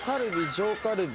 上カルビ。